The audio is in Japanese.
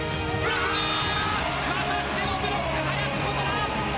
またしてもブロッカー、林琴奈！